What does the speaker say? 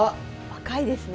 若いですね。